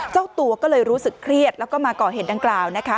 เจ้าตัวก็เลยรู้สึกเครียดแล้วก็มาก่อเหตุดังกล่าวนะคะ